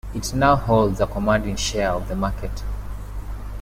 It now holds a commanding share of the market.